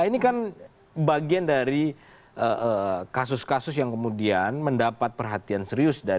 ini kan bagian dari kasus kasus yang kemudian mendapat perhatian serius